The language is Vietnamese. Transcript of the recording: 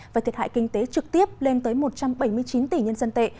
và thiệt hại kinh tế trực tiếp lên tới một trăm bảy mươi chín tỷ nhân dân tệ